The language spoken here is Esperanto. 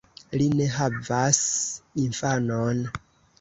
Li ne havas infanon.